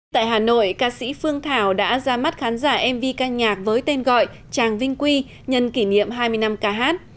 tại hà nội ca sĩ phương thảo đã ra mắt khán giả mv ca nhạc với tên gọi tràng vinh quy nhân kỷ niệm hai mươi năm ca hát